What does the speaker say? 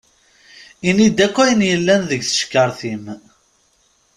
Ini-d akk ayen yellan deg tcekkaṛt-im.